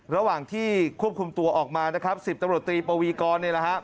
ระหว่างที่ควบคุมตัวออกมา๑๐ตำรวจตรีปวีกร